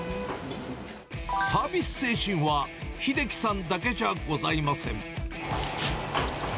サービス精神は英樹さんだけじゃございません。